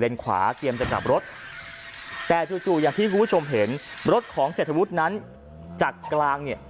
เลนขวาเตรียมจะกลับรถแต่จู่จู่อย่างที่คุณผู้ชมเห็นรถของเศรษฐวุฒินั้นจากกลางเนี่ย